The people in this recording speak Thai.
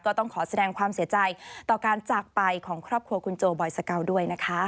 ต้องขอแสดงความเสียใจต่อการจากไปของครอบครัวคุณโจบอยสเกาด้วยนะคะ